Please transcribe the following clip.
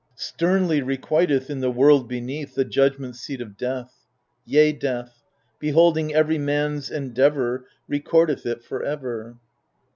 Sternly requiteth, in the world beneath, The judgment seat of Death ; Yea, Death, beholding every man's endeavour, Recordeth it for ever.